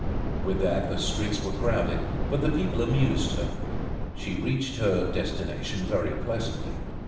With that the streets were crowded; but the people amused her; she reached her destination very pleasantly.